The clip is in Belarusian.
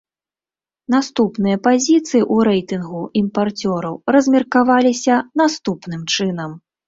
Наступныя пазіцыі ў рэйтынгу імпарцёраў размеркаваліся наступным чынам.